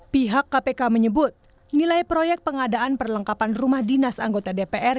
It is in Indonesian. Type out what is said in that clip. pihak kpk menyebut nilai proyek pengadaan perlengkapan rumah dinas anggota dpr